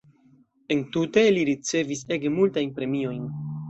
Entute li ricevis ege multajn premiojn.